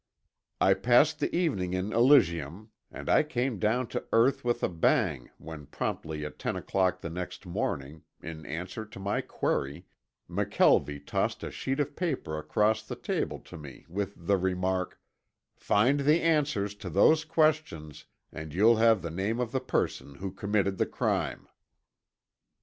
I passed the evening in Elysium and I came down to earth with a bang when promptly at ten o'clock the next morning, in answer to my query, McKelvie tossed a sheet of paper across the table to me with the remark: "Find the answers to those questions and you'll have the name of the person who committed the crime."